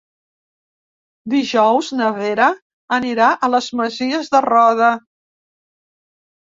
Dijous na Vera anirà a les Masies de Roda.